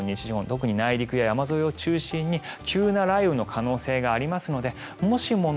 特に内陸山沿いを中心に急な雷雨の可能性がありますのでもしもの